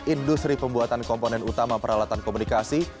industri pembuatan komponen utama peralatan komunikasi